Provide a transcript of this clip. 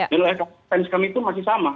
dan sains kami itu masih sama